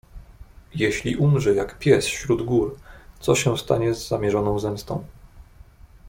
"Jeśli umrze, jak pies, śród gór, co się stanie z zamierzoną zemstą?"